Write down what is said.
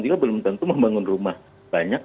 juga belum tentu membangun rumah banyak